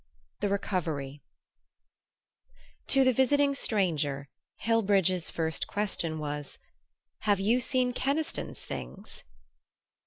THE RECOVERY To the visiting stranger Hillbridge's first question was, "Have you seen Keniston's things?"